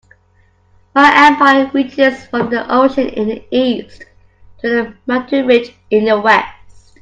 My empire reaches from the ocean in the East to the mountain ridge in the West.